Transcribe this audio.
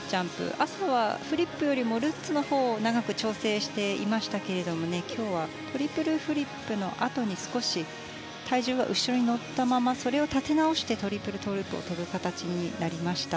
朝はフリップよりもルッツのほうを長く調整していましたけれども今日はトリプルフリップのあとに少し体重が後ろに乗ったままそれを立て直してトリプルトウループを跳ぶ形になりました。